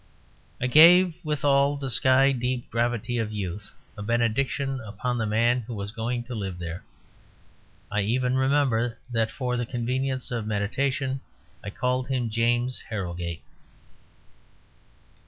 I gave, with all the sky deep gravity of youth, a benediction upon the man who was going to live there. I even remember that for the convenience of meditation I called him James Harrogate.